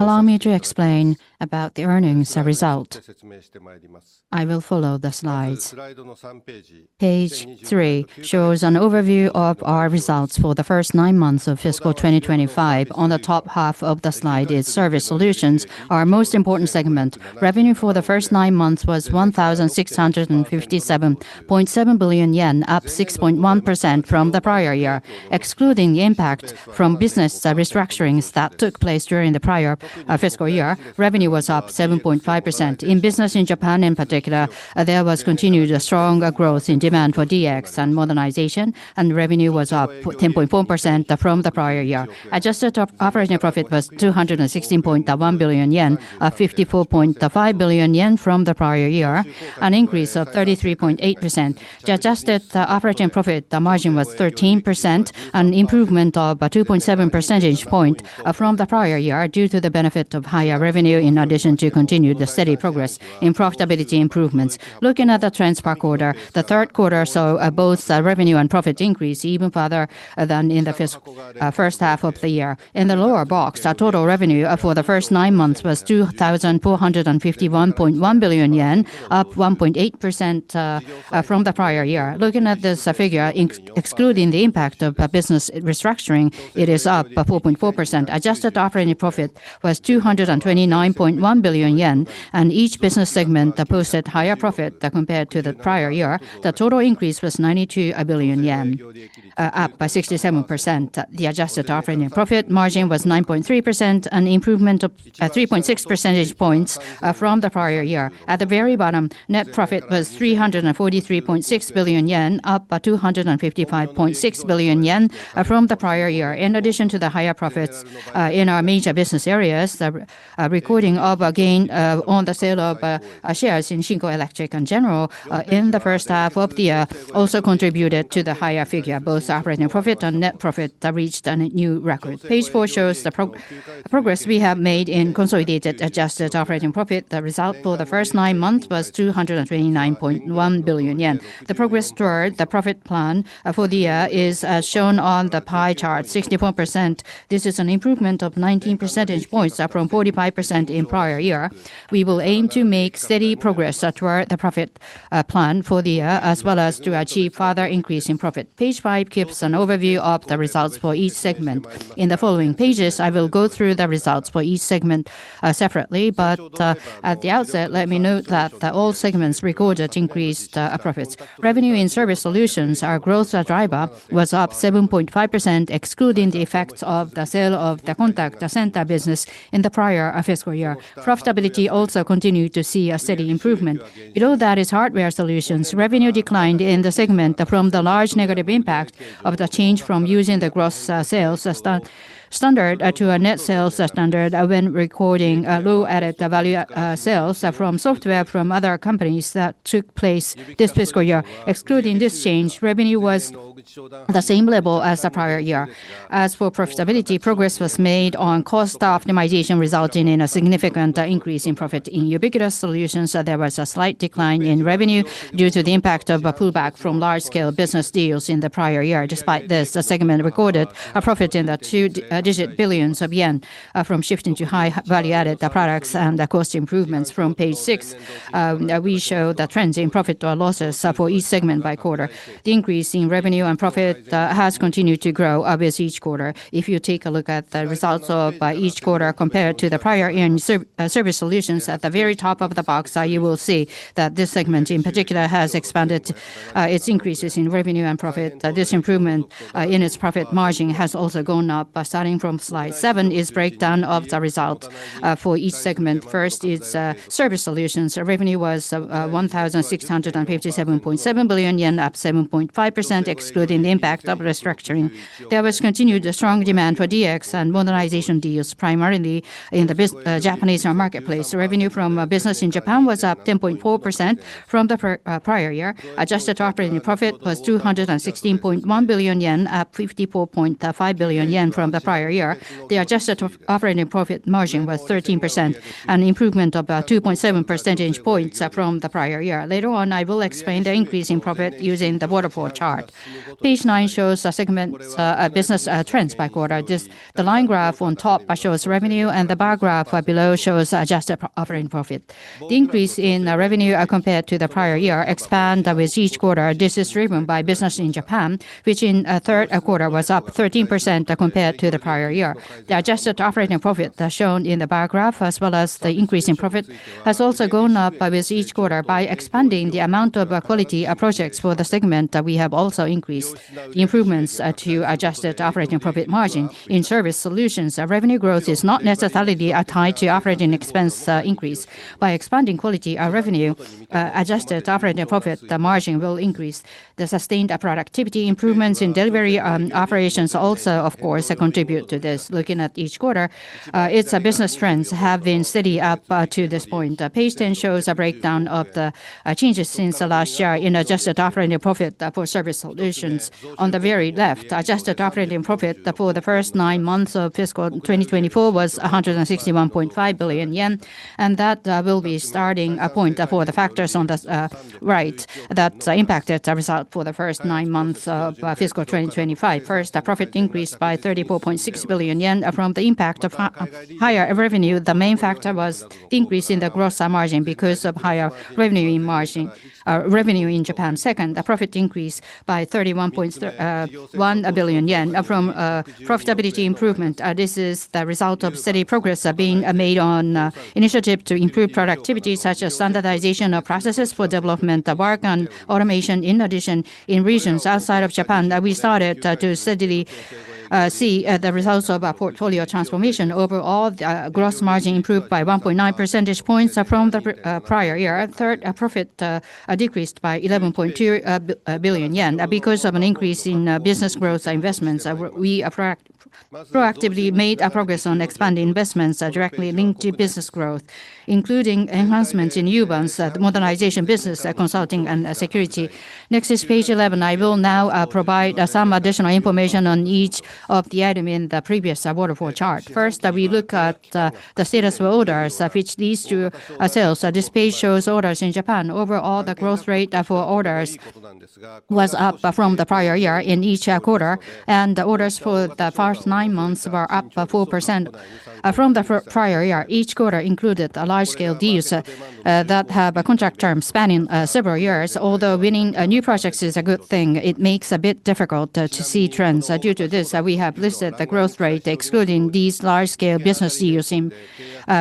Allow me to explain about the earnings result. I will follow the slides. Page 3 shows an overview of our results for the first nine months of fiscal 2025. On the top half of the slide is Service Solutions, our most important segment. Revenue for the first nine months was 1,657.7 billion yen, up 6.1% from the prior year. Excluding the impact from business restructurings that took place during the prior fiscal year, revenue was up 7.5%. In business in Japan, in particular, there was continued strong growth in demand for DX and modernization, and revenue was up 10.4% from the prior year. Adjusted Operating Profit was 216.1 billion yen, up 54.5 billion yen from the prior year, an increase of 33.8%. To Adjusted Operating Profit, the margin was 13%, an improvement of a 2.7 percentage point from the prior year due to the benefit of higher revenue in addition to continued steady progress in profitability improvements. Looking at the transpark order, the third quarter saw both revenue and profit increase even further than in the first half of the year. In the lower box, total revenue for the first nine months was 2,451.1 billion yen, up 1.8% from the prior year. Looking at this figure, excluding the impact of business restructuring, it is up 4.4%. Adjusted Operating Profit was 229.1 billion yen, and each business segment posted higher profit compared to the prior year. The total increase was 92 billion yen, up by 67%. The Adjusted Operating Profit margin was 9.3%, an improvement of 3.6 percentage points from the prior year. At the very bottom, net profit was 343.6 billion yen, up 255.6 billion yen from the prior year. In addition to the higher profits in our major business areas, the recording of gain on the sale of shares in Shinko Electric Industries in the first half of the year also contributed to the higher figure. Both operating profit and net profit reached a new record. Page 4 shows the progress we have made in consolidated adjusted operating profit. The result for the first nine months was 229.1 billion yen. The progress toward the profit plan for the year is shown on the pie chart: 64%. This is an improvement of 19 percentage points from 45% in prior year. We will aim to make steady progress toward the profit plan for the year, as well as to achieve further increase in profit. Page 5 gives an overview of the results for each segment. In the following pages, I will go through the results for each segment separately, but at the outset, let me note that all segments recorded increased profits. Revenue in Service Solutions, our growth driver, was up 7.5%, excluding the effects of the sale of the contact center business in the prior fiscal year. Profitability also continued to see a steady improvement. Below that is Hardware Solutions. Revenue declined in the segment from the large negative impact of the change from using the gross sales standard to a net sales standard when recording low-added value sales from software from other companies that took place this fiscal year. Excluding this change, revenue was at the same level as the prior year. As for profitability, progress was made on cost optimization, resulting in a significant increase in profit. In Ubiquitous Solutions, there was a slight decline in revenue due to the impact of a pullback from large-scale business deals in the prior year. Despite this, the segment recorded a profit in the two-digit billions of JPY from shifting to high-value-added products and the cost improvements. From page 6, we show the trends in profit or losses for each segment by quarter. The increase in revenue and profit has continued to grow with each quarter. If you take a look at the results of each quarter compared to the prior Service Solutions, at the very top of the box, you will see that this segment in particular has expanded its increases in revenue and profit. This improvement in its profit margin has also gone up. Starting from slide 7 is breakdown of the result for each segment. First is Service Solutions. Revenue was 1,657.7 billion yen, up 7.5%, excluding the impact of restructuring. There was continued strong demand for DX and modernization deals, primarily in the Japanese marketplace. Revenue from business in Japan was up 10.4% from the prior year. Adjusted operating profit was 216.1 billion yen, up 54.5 billion yen from the prior year. The adjusted operating profit margin was 13%, an improvement of 2.7 percentage points from the prior year. Later on, I will explain the increase in profit using the waterfall chart. Page 9 shows the segment business trends by quarter. The line graph on top shows revenue, and the bar graph below shows adjusted operating profit. The increase in revenue compared to the prior year expanded with each quarter. This is driven by business in Japan, which in the third quarter was up 13% compared to the prior year. The Adjusted Operating Profit shown in the bar graph, as well as the increase in profit, has also gone up with each quarter by expanding the amount of quality projects for the segment that we have also increased. The improvements to Adjusted Operating Profit margin. In Service Solutions, revenue growth is not necessarily tied to operating expense increase. By expanding quality revenue, Adjusted Operating Profit margin will increase. The sustained productivity improvements in delivery operations also, of course, contribute to this. Looking at each quarter, its business trends have been steady up to this point. Page 10 shows a breakdown of the changes since last year in Adjusted Operating Profit for Service Solutions. On the very left, adjusted operating profit for the first nine months of fiscal 2024 was 161.5 billion yen, and that will be starting point for the factors on the right that impacted the result for the first nine months of fiscal 2025. First, profit increased by 34.6 billion yen from the impact of higher revenue. The main factor was the increase in the gross margin because of higher revenue in Japan. Second, profit increased by 31.1 billion yen from profitability improvement. This is the result of steady progress being made on initiatives to improve productivity, such as standardization of processes for development work and automation. In addition, in regions outside of Japan, we started to steadily see the results of portfolio transformation. Overall, gross margin improved by 1.9 percentage points from the prior year. Third, profit decreased by 11.2 billion yen because of an increase in business growth investments. We proactively made progress on expanding investments directly linked to business growth, including enhancements in Uvance, modernization business, consulting, and security. Next is page 11. I will now provide some additional information on each of the items in the previous waterfall chart. First, we look at the status of orders, which leads to sales. This page shows orders in Japan. Overall, the growth rate for orders was up from the prior year in each quarter, and the orders for the first nine months were up 4% from the prior year. Each quarter included large-scale deals that have a contract term spanning several years. Although winning new projects is a good thing, it makes a bit difficult to see trends. Due to this, we have listed the growth rate, excluding these large-scale business deals in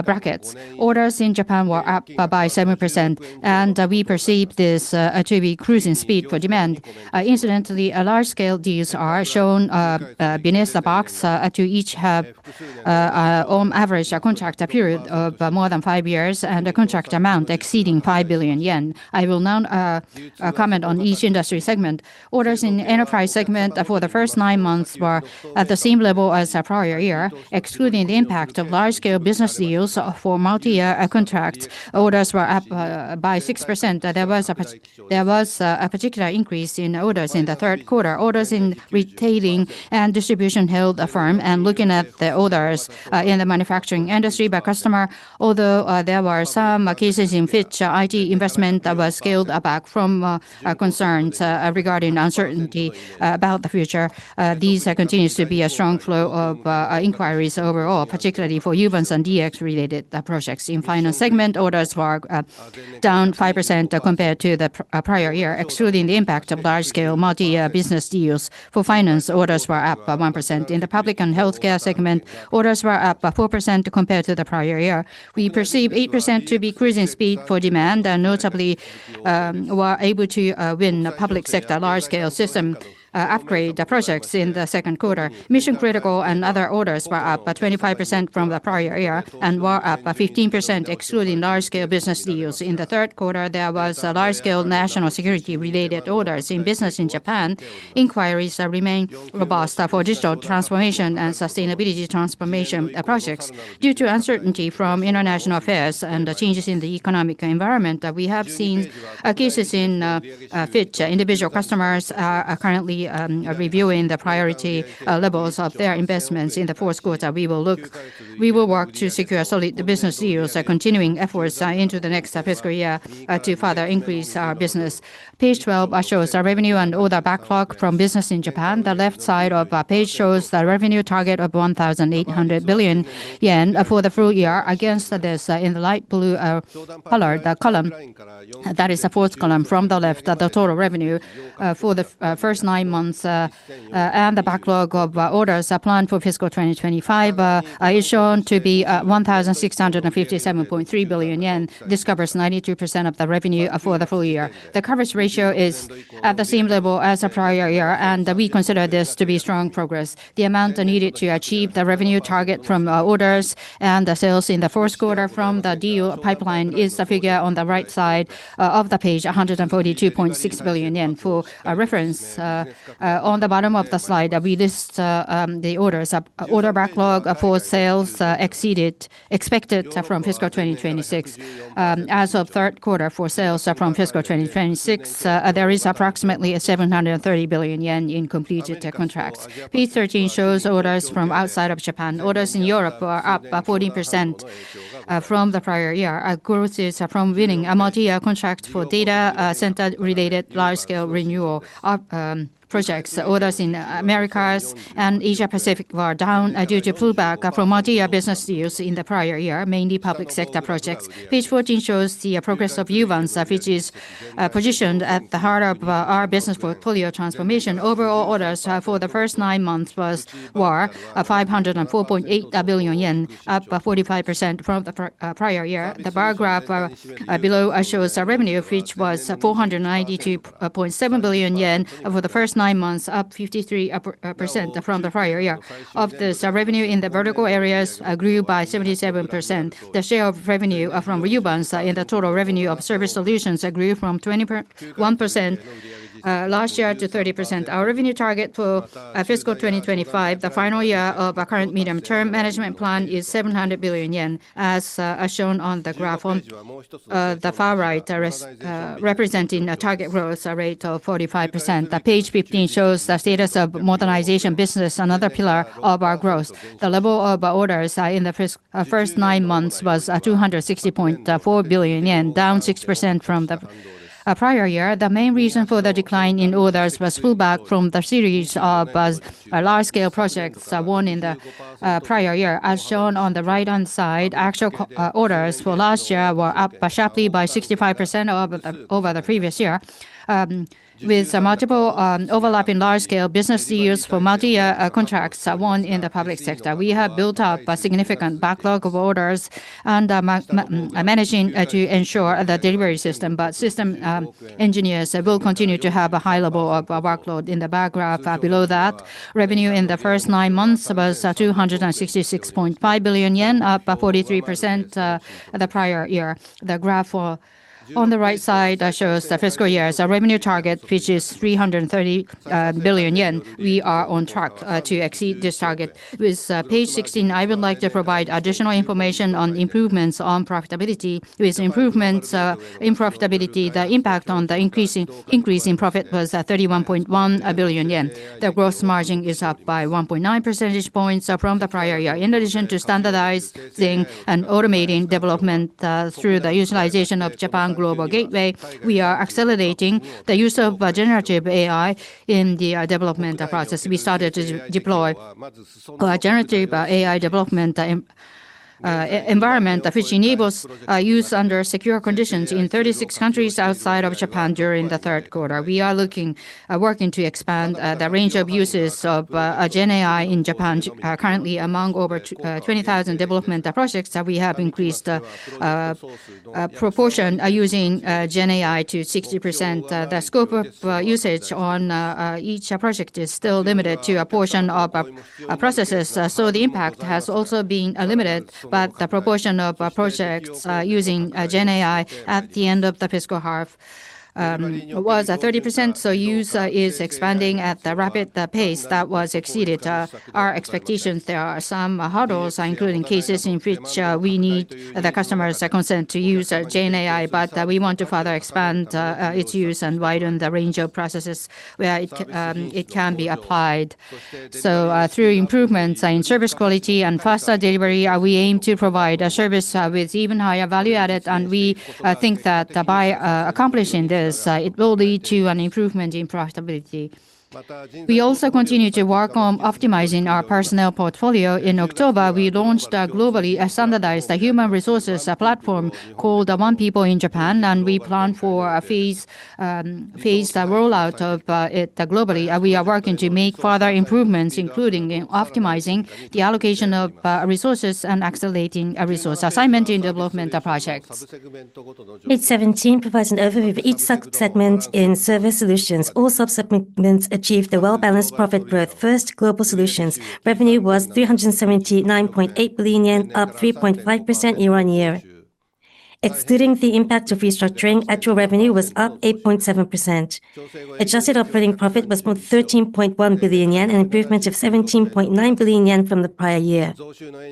brackets. Orders in Japan were up by 7%, and we perceive this to be cruising speed for demand. Incidentally, large-scale deals are shown beneath the box to each have on average a contract period of more than five years and a contract amount exceeding 5 billion yen. I will now comment on each industry segment. Orders in the enterprise segment for the first nine months were at the same level as the prior year. Excluding the impact of large-scale business deals for multi-year contracts, orders were up by 6%. There was a particular increase in orders in the third quarter. Orders in retailing and distribution held firm. Looking at the orders in the manufacturing industry by customer, although there were some cases in which IT investment was scaled back from concerns regarding uncertainty about the future, these continue to be a strong flow of inquiries overall, particularly for Uvance and DX-related projects. In finance segment, orders were down 5% compared to the prior year. Excluding the impact of large-scale multi-year business deals for finance, orders were up 1%. In the public and healthcare segment, orders were up 4% compared to the prior year. We perceive 8% to be cruising speed for demand, and notably were able to win public sector large-scale system upgrade projects in the second quarter. Mission critical and other orders were up 25% from the prior year and were up 15%, excluding large-scale business deals. In the third quarter, there were large-scale national security-related orders. In business in Japan, inquiries remain robust for digital transformation and sustainability transformation projects. Due to uncertainty from international affairs and changes in the economic environment, we have seen cases in which individual customers are currently reviewing the priority levels of their investments in the fourth quarter. We will work to secure solid business deals, continuing efforts into the next fiscal year to further increase our business. Page 12 shows revenue and order backlog from business in Japan. The left side of the page shows the revenue target of 1,800 billion yen for the full year. Against this, in the light blue color, the column that is the fourth column from the left, the total revenue for the first nine months and the backlog of orders planned for fiscal 2025 is shown to be 1,657.3 billion yen. This covers 92% of the revenue for the full year. The coverage ratio is at the same level as the prior year, and we consider this to be strong progress. The amount needed to achieve the revenue target from orders and the sales in the fourth quarter from the deal pipeline is the figure on the right side of the page, 142.6 billion yen. For reference, on the bottom of the slide, we list the orders. Order backlog for sales exceeded expected from fiscal 2026. As of third quarter for sales from fiscal 2026, there is approximately 730 billion yen in completed contracts. Page 13 shows orders from outside of Japan. Orders in Europe were up 14% from the prior year. Growth is from winning multi-year contract for data center-related large-scale renewal projects. Orders in the Americas and Asia-Pacific were down due to pullback from multi-year business deals in the prior year, mainly public sector projects. Page 14 shows the progress of Uvance, which is positioned at the heart of our business portfolio transformation. Overall, orders for the first nine months were 504.8 billion yen, up 45% from the prior year. The bar graph below shows revenue, which was 492.7 billion yen for the first nine months, up 53% from the prior year. Of this, revenue in the vertical areas grew by 77%. The share of revenue from Uvance in the total revenue of service solutions grew from 21% last year to 30%. Our revenue target for fiscal 2025, the final year of our current medium-term management plan, is 700 billion yen, as shown on the graph on the far right, representing a target growth rate of 45%. Page 15 shows the status of modernization business, another pillar of our growth. The level of orders in the first nine months was 260.4 billion yen, down 6% from the prior year. The main reason for the decline in orders was pullback from the series of large-scale projects won in the prior year. As shown on the right-hand side, actual orders for last year were up sharply by 65% over the previous year, with multiple overlapping large-scale business deals for multi-year contracts won in the public sector. We have built up a significant backlog of orders and are managing to ensure the delivery system, but system engineers will continue to have a high level of workload in the background. Below that, revenue in the first nine months was 266.5 billion yen, up 43% the prior year. The graph on the right side shows the fiscal year's revenue target, which is 330 billion yen. We are on track to exceed this target. With page 16, I would like to provide additional information on improvements on profitability. With improvements in profitability, the impact on the increasing profit was 31.1 billion yen. The gross margin is up by 1.9 percentage points from the prior year. In addition to standardizing and automating development through the utilization of Japan Global Gateway, we are accelerating the use of generative AI in the development process. We started to deploy a generative AI development environment, which enables use under secure conditions in 36 countries outside of Japan during the third quarter. We are looking at working to expand the range of uses of GenAI in Japan. Currently, among over 20,000 development projects, we have increased the proportion using GenAI to 60%. The scope of usage on each project is still limited to a portion of processes, so the impact has also been limited by the proportion of projects using GenAI at the end of the fiscal half was 30%. So, use is expanding at the rapid pace that was exceeded our expectations. There are some hurdles, including cases in which we need the customer's consent to use GenAI, but we want to further expand its use and widen the range of processes where it can be applied. So, through improvements in service quality and faster delivery, we aim to provide a service with even higher value added, and we think that by accomplishing this, it will lead to an improvement in profitability. We also continue to work on optimizing our personnel portfolio. In October, we launched a globally standardized human resources platform called One People in Japan, and we plan for a phased rollout of it globally. We are working to make further improvements, including optimizing the allocation of resources and accelerating resource assignment in development projects. Page 17 provides an overview of each subsegment in service solutions. All subsegments achieved a well-balanced profit growth. First, Global Solutions. Revenue was 379.8 billion yen, up 3.5% year-on-year. Excluding the impact of restructuring, actual revenue was up 8.7%. Adjusted Operating Profit was 13.1 billion yen, an improvement of 17.9 billion yen from the prior year.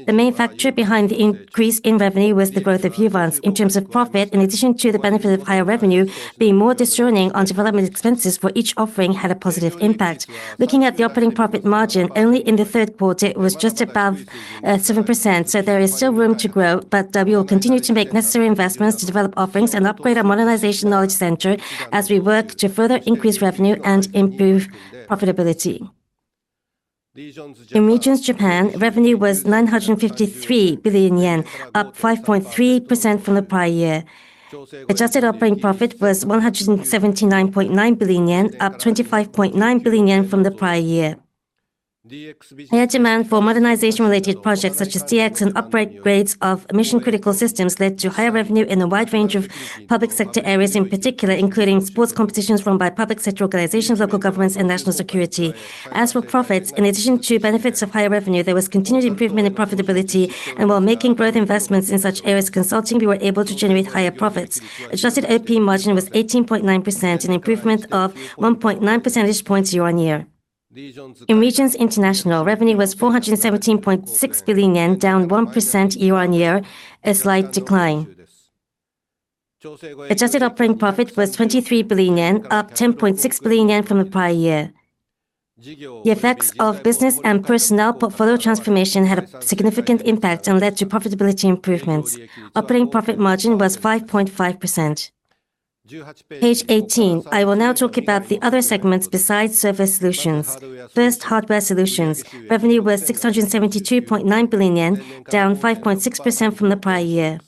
The main factor behind the increase in revenue was the growth of Fujitsu Uvance. In terms of profit, in addition to the benefit of higher revenue being more discernible on development expenses for each offering, it had a positive impact. Looking at the operating profit margin, only in the third quarter, it was just above 7%. So, there is still room to grow, but we will continue to make necessary investments to develop offerings and upgrade our modernization knowledge center as we work to further increase revenue and improve profitability. In Regions Japan revenue was 953 billion yen, up 5.3% from the prior year. Adjusted operating profit was 179.9 billion yen, up 25.9 billion from the prior year. Higher demand for modernization-related projects such as DX and upgrades of mission-critical systems led to higher revenue in a wide range of public sector areas, in particular including sports competitions run by public sector organizations, local governments, and national security. As for profits, in addition to benefits of higher revenue, there was continued improvement in profitability, and while making growth investments in such areas as consulting, we were able to generate higher profits. Adjusted OP margin was 18.9%, an improvement of 1.9 percentage points year-over-year. In Regions International revenue was 417.6 billion yen, down 1% year-over-year, a slight decline. Adjusted operating profit was 23 billion yen, up 10.6 billion yen from the prior year. The effects of business and personnel portfolio transformation had a significant impact and led to profitability improvements. Operating profit margin was 5.5%. Page 18, I will now talk about the other segments besides Service Solutions. First, Hardware Solutions. Revenue was 672.9 billion yen, down 5.6% from the prior year.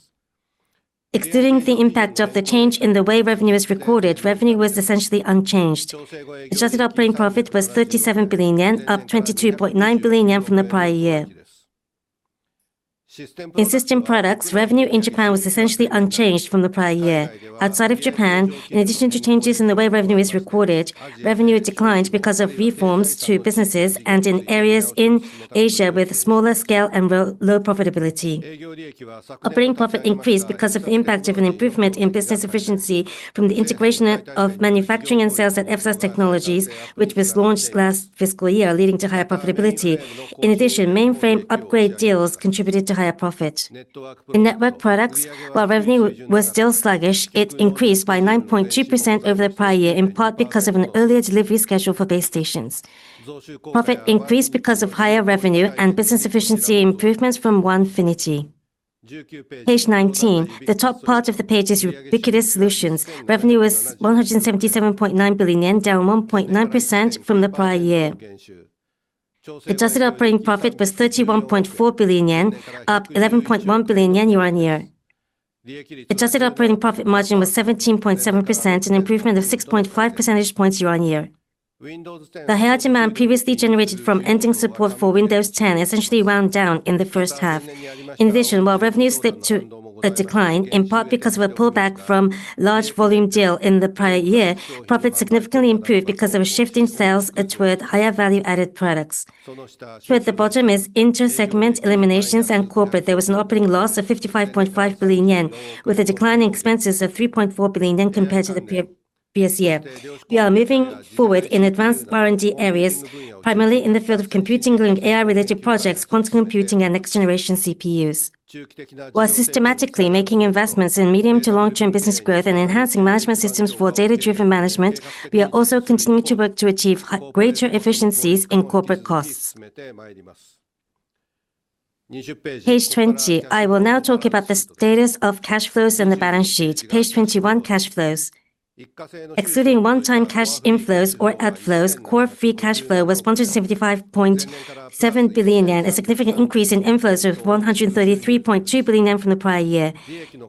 Excluding the impact of the change in the way revenue is recorded, revenue was essentially unchanged. Adjusted operating profit was 37 billion yen, up 22.9 billion yen from the prior year. In System Products, revenue in Japan was essentially unchanged from the prior year. Outside of Japan, in addition to changes in the way revenue is recorded, revenue declined because of reforms to businesses and in areas in Asia with smaller scale and low profitability. Operating profit increased because of the impact of an improvement in business efficiency from the integration of manufacturing and sales at Fujitsu Fsas Technologies, which was launched last fiscal year, leading to higher profitability. In addition, mainframe upgrade deals contributed to higher profit. In network Products, while revenue was still sluggish, it increased by 9.2% over the prior year, in part because of an earlier delivery schedule for base stations. Profit increased because of higher revenue and business efficiency improvements from 1FINITY. Page 19, the top part of the page is Ubiquitous Solutions. Revenue was 177.9 billion yen, down 1.9% from the prior year. Adjusted operating profit was 31.4 billion yen, up 11.1 billion yen year-on-year. Adjusted operating profit margin was 17.7%, an improvement of 6.5 percentage points year-on-year. The higher demand previously generated from ending support for Windows 10 essentially wound down in the first half. In addition, while revenue slipped to a decline, in part because of a pullback from large volume deal in the prior year, profits significantly improved because there was shift in sales toward higher value-added products. Here at the bottom is inter-segment eliminations and corporate. There was an operating loss of 55.5 billion yen, with a decline in expenses of 3.4 billion yen compared to the previous year. We are moving forward in advanced R&D areas, primarily in the field of computing during AI-related projects, quantum computing, and next-generation CPUs. While systematically making investments in medium to long-term business growth and enhancing management systems for data-driven management, we are also continuing to work to achieve greater efficiencies in corporate costs. Page 20, I will now talk about the status of cash flows and the balance sheet. Page 21, cash flows. Excluding one-time cash inflows or outflows, core free cash flow was 175.7 billion yen, a significant increase in inflows of 133.2 billion yen from the prior year.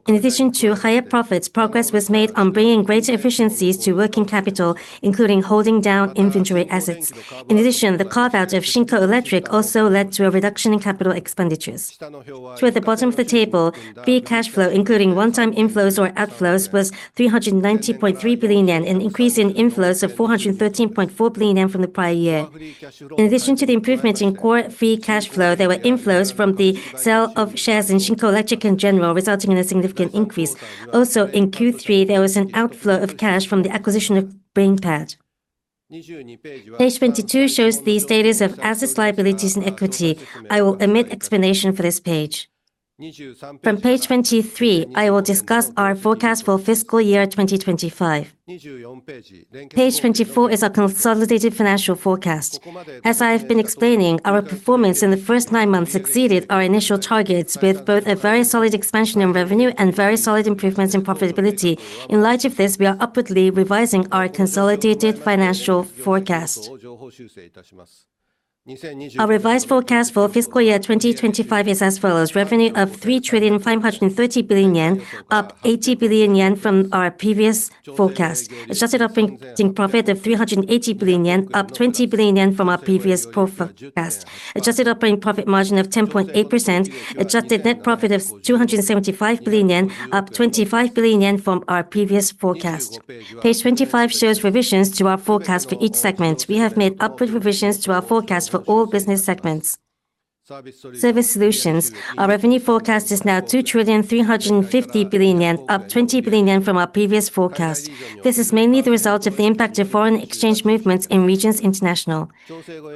In addition to higher profits, progress was made on bringing greater efficiencies to working capital, including holding down inventory assets. In addition, the carve-out of Shinko Electric also led to a reduction in capital expenditures. Here at the bottom of the table, free cash flow, including one-time inflows or outflows, was 390.3 billion yen, an increase in inflows of 413.4 billion yen from the prior year. In addition to the improvement in core free cash flow, there were inflows from the sale of shares in Shinko Electric in general, resulting in a significant increase. Also, in Q3, there was an outflow of cash from the acquisition of BrainPad. Page 22 shows the status of assets, liabilities, and equity. I will omit explanation for this page. From page 23, I will discuss our forecast for fiscal year 2025. Page 24 is our consolidated financial forecast. As I have been explaining, our performance in the first nine months exceeded our initial targets, with both a very solid expansion in revenue and very solid improvements in profitability. In light of this, we are upwardly revising our consolidated financial forecast. Our revised forecast for fiscal year 2025 is as follows: revenue of 3,530 billion yen, up 80 billion yen from our previous forecast. Adjusted operating profit of 380 billion yen, up 20 billion yen from our previous forecast. Adjusted operating profit margin of 10.8%. Adjusted net profit of 275 billion yen, up 25 billion yen from our previous forecast. Page 25 shows revisions to our forecast for each segment. We have made upward revisions to our forecast for all business segments. Service Solutions. Our revenue forecast is now 2,350 billion yen, up 20 billion yen from our previous forecast. This is mainly the result of the impact of foreign exchange movements in regions international.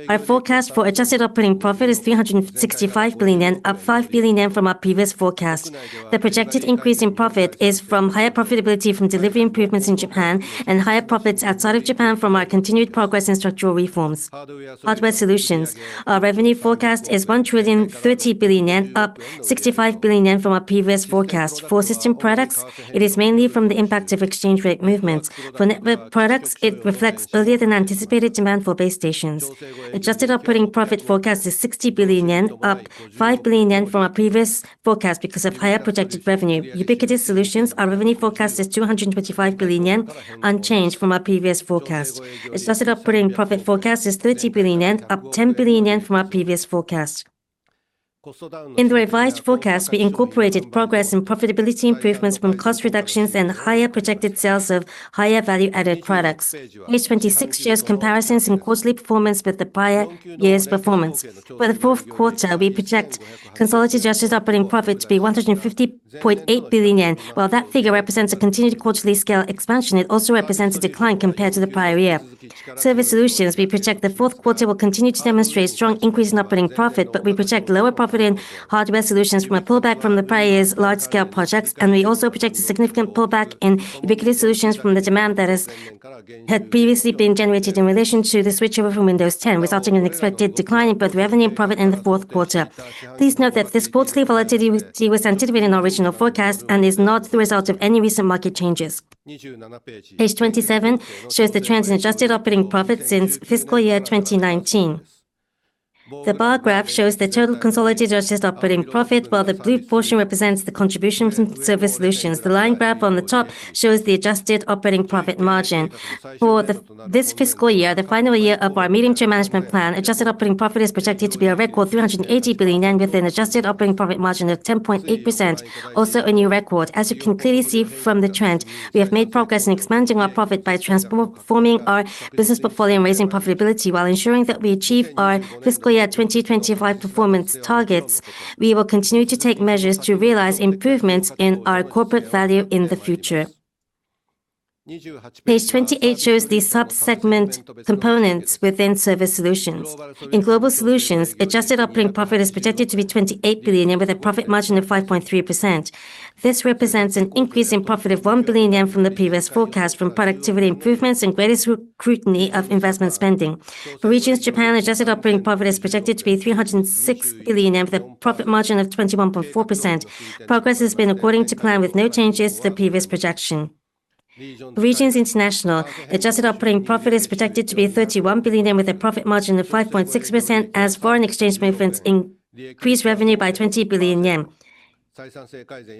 Our forecast for adjusted operating profit is 365 billion yen, up 5 billion yen from our previous forecast. The projected increase in profit is from higher profitability from delivery improvements in Japan and higher profits outside of Japan from our continued progress in structural reforms. Hardware Solutions. Our revenue forecast is 1,030 billion yen, up 65 billion yen from our previous forecast. For system products, it is mainly from the impact of exchange rate movements. For network products, it reflects earlier-than-anticipated demand for base stations. Adjusted Operating Profit forecast is 60 billion yen, up 5 billion yen from our previous forecast because of higher projected revenue. Ubiquitous Solutions. Our revenue forecast is 225 billion yen, unchanged from our previous forecast. Adjusted Operating Profit forecast is 30 billion yen, up 10 billion yen from our previous forecast. In the revised forecast, we incorporated progress in profitability improvements from cost reductions and higher projected sales of higher value-added products. Page 26 shows comparisons in quarterly performance with the prior year's performance. For the fourth quarter, we project consolidated Adjusted Operating Profit to be 150.8 billion yen. While that figure represents a continued quarterly scale expansion, it also represents a decline compared to the prior year. Service Solutions. We project the fourth quarter will continue to demonstrate a strong increase in operating profit, but we project lower profit in Hardware Solutions from a pullback from the prior year's large-scale projects, and we also project a significant pullback in Ubiquitous Solutions from the demand that has had previously been generated in relation to the switchover from Windows 10, resulting in an expected decline in both revenue and profit in the fourth quarter. Please note that this quarterly volatility was anticipated in our original forecast and is not the result of any recent market changes. Page 27 shows the trend in adjusted operating profit since fiscal year 2019. The bar graph shows the total consolidated adjusted operating profit, while the blue portion represents the contribution from service solutions. The line graph on the top shows the adjusted operating profit margin. For this fiscal year, the final year of our medium-term management plan, adjusted operating profit is projected to be a record 380 billion yen with an adjusted operating profit margin of 10.8%. Also, a new record. As you can clearly see from the trend, we have made progress in expanding our profit by transforming our business portfolio and raising profitability while ensuring that we achieve our fiscal year 2025 performance targets. We will continue to take measures to realize improvements in our corporate value in the future. Page 28 shows the subsegment components within service solutions. In global solutions, adjusted operating profit is projected to be 28 billion yen with a profit margin of 5.3%. This represents an increase in profit of 1 billion yen from the previous forecast from productivity improvements and greater scrutiny of investment spending. For regions Japan, adjusted operating profit is projected to be 306 billion with a profit margin of 21.4%. Progress has been according to plan with no changes to the previous projection. For regions international, adjusted operating profit is projected to be 31 billion yen with a profit margin of 5.6% as foreign exchange movements increase revenue by 20 billion yen.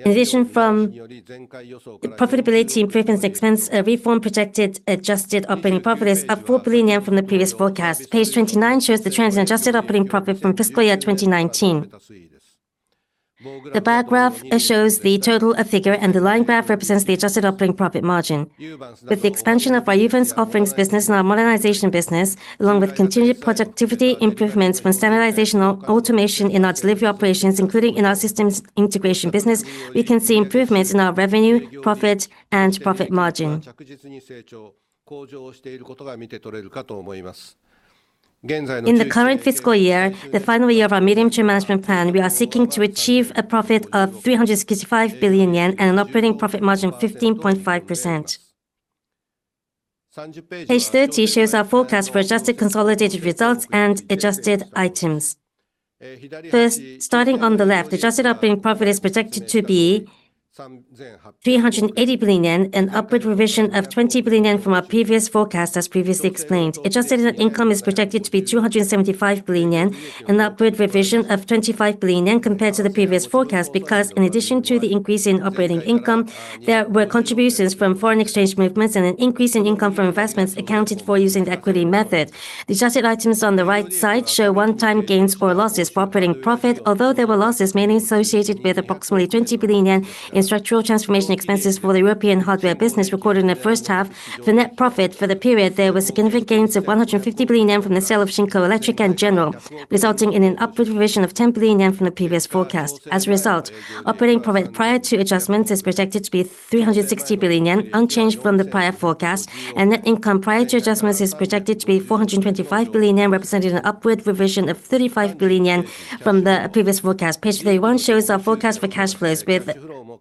In addition, from profitability improvements expense, a reform projected adjusted operating profit is up 4 billion yen from the previous forecast. Page 29 shows the trend in adjusted operating profit from fiscal year 2019. The bar graph shows the total figure, and the line graph represents the adjusted operating profit margin. With the expansion of our Uvance offerings business and our modernization business, along with continued productivity improvements from standardization and automation in our delivery operations, including in our systems integration business, we can see improvements in our revenue, profit, and profit margin. In the current fiscal year, the final year of our medium-term management plan, we are seeking to achieve a profit of 365 billion yen and an operating profit margin of 15.5%. Page 30 shows our forecast for adjusted consolidated results and adjusted items. First, starting on the left, adjusted operating profit is projected to be 380 billion yen, an upward revision of 20 billion yen from our previous forecast, as previously explained. Adjusted net income is projected to be 275 billion yen, an upward revision of 25 billion yen compared to the previous forecast because, in addition to the increase in operating income, there were contributions from foreign exchange movements and an increase in income from investments accounted for using the equity method. The adjusted items on the right side show one-time gains or losses for operating profit, although there were losses mainly associated with approximately 20 billion yen in structural transformation expenses for the European hardware business recorded in the first half. For net profit, for the period, there were significant gains of 150 billion yen from the sale of Shinko Electric Industries, resulting in an upward revision of 10 billion yen from the previous forecast. As a result, operating profit prior to adjustments is projected to be 360 billion yen, unchanged from the prior forecast, and net income prior to adjustments is projected to be 425 billion yen, representing an upward revision of 35 billion yen from the previous forecast. Page 31 shows our forecast for cash flows. With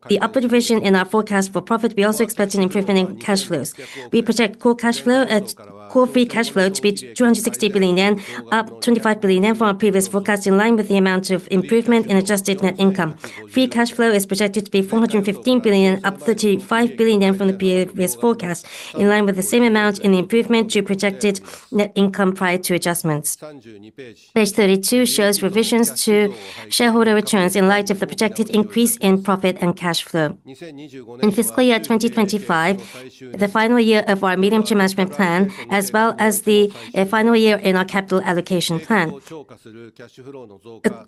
the upward revision in our forecast for profit, we also expect an improvement in cash flows. We project core cash flow to be 260 billion yen, up 25 billion yen from our previous forecast, in line with the amount of improvement in adjusted net income. Free cash flow is projected to be 415 billion, up 35 billion yen from the previous forecast, in line with the same amount in improvement to projected net income prior to adjustments. Page 32 shows revisions to shareholder returns in light of the projected increase in profit and cash flow. In fiscal year 2025, the final year of our medium-term management plan, as well as the final year in our capital allocation plan.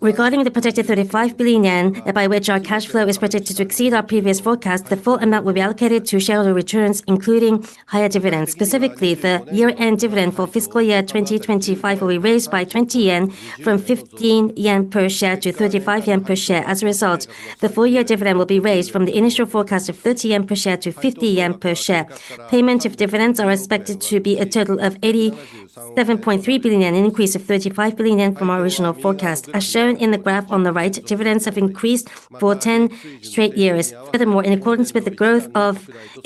Regarding the projected 35 billion yen, by which our cash flow is projected to exceed our previous forecast, the full amount will be allocated to shareholder returns, including higher dividends. Specifically, the year-end dividend for fiscal year 2025 will be raised by 20 yen, from 15 yen per share to 35 yen per share. As a result, the full-year dividend will be raised from the initial forecast of 30 yen per share to 50 yen per share. Payment of dividends are expected to be a total of 87.3 billion yen, an increase of 35 billion yen from our original forecast. As shown in the graph on the right, dividends have increased for 10 straight years. Furthermore, in accordance with the growth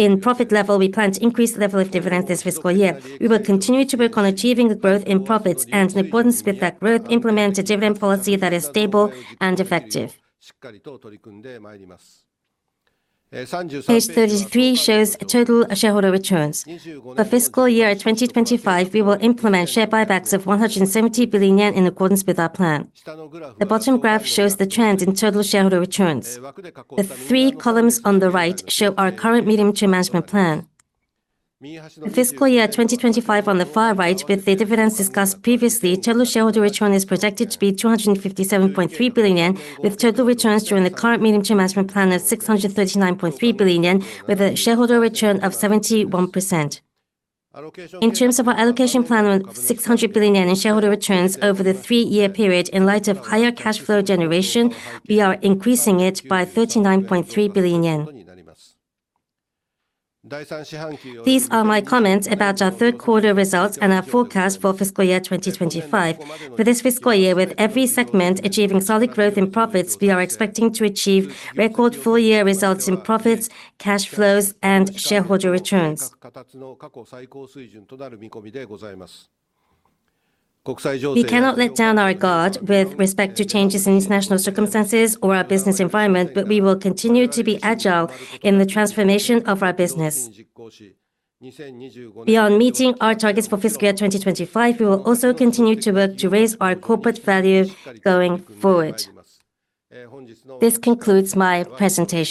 in profit level, we plan to increase the level of dividends this fiscal year. We will continue to work on achieving the growth in profits, and in accordance with that growth, implement a dividend policy that is stable and effective. Page 33 shows total shareholder returns. For fiscal year 2025, we will implement share buybacks of 170 billion yen in accordance with our plan. The bottom graph shows the trend in total shareholder returns. The three columns on the right show our current medium-term management plan. For fiscal year 2025, on the far right, with the dividends discussed previously, total shareholder return is projected to be 257.3 billion yen, with total returns during the current medium-term management plan of 639.3 billion yen, with a shareholder return of 71%. In terms of our allocation plan of 600 billion yen in shareholder returns over the three-year period, in light of higher cash flow generation, we are increasing it by 39.3 billion yen. These are my comments about our third quarter results and our forecast for fiscal year 2025. For this fiscal year, with every segment achieving solid growth in profits, we are expecting to achieve record full-year results in profits, cash flows, and shareholder returns. We cannot let down our guard with respect to changes in international circumstances or our business environment, but we will continue to be agile in the transformation of our business. Beyond meeting our targets for fiscal year 2025, we will also continue to work to raise our corporate value going forward. This concludes my presentation.